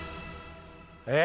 え？